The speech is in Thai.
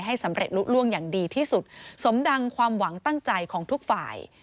สำเร็จลุล่วงอย่างดีที่สุดสมดังความหวังตั้งใจของทุกฝ่าย